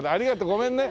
ごめんね。